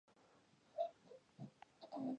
په دې ډک او سوړ جهان کې.